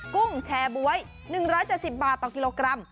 กุ้งแชร์บ๊วย๑๗๐บาทต่อกิโลกรัม